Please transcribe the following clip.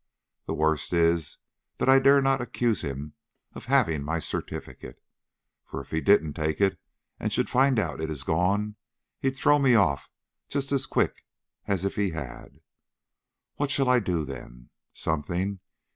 The worst is that I dare not accuse him of having my certificate; for if he didn't take it and should find out it is gone, he'd throw me off just as quick as if he had. What shall I do then? Something.